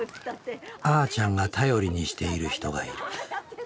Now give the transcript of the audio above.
あーちゃんが頼りにしている人がいる。